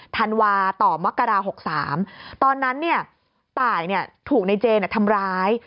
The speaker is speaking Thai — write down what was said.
ธันวาต่อมกรา๖๓ตอนนั้นตายถูกในเจทำร้าย